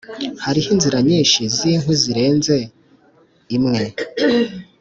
hariho inzira nyinshi zinkwi zirenze imwe.